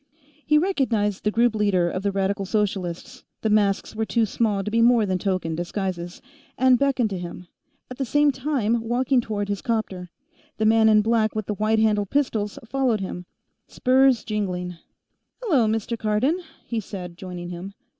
_" He recognized the group leader of the Radical Socialists the masks were too small to be more than token disguises and beckoned to him, at the same time walking toward his 'copter. The man in black with the white handled pistols followed him, spurs jingling. "Hello, Mr. Cardon," he said, joining him.